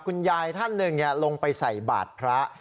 คุณยายท่านหนึ่งลงไปใส่บาทพระ